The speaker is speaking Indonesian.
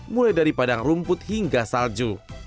mulai dari padang rumput hingga salju